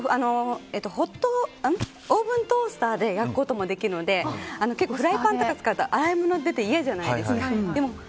オーブントースターで焼くこともできるので結構フライパンとか使うと洗い物出て、嫌じゃないですか。